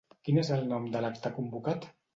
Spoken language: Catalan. Quin és el nom de l'acte convocat?